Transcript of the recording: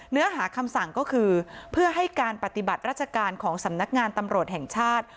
เนื้อหาคำสั่งก็คือเพื่อให้การปฏิบัติราชการของสำนักงานตำรวจแห่งชาติ